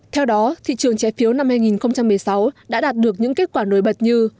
theo đó thị trường trái phiếu năm hai nghìn một mươi sáu đã đạt được những kết quả nổi bật như